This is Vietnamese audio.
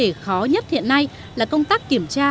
một vấn đề khó nhất hiện nay là công tác kiểm tra